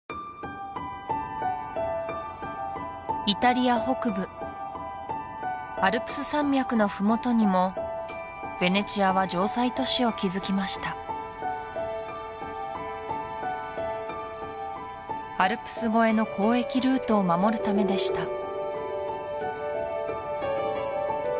イタリア北部アルプス山脈のふもとにもヴェネツィアは城塞都市を築きましたアルプス越えの交易ルートを守るためでした